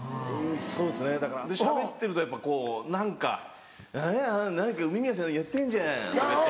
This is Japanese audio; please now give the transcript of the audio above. そうっすねだからしゃべってるとやっぱこう何か「あら何か梅宮さんやってんじゃん」とか言って。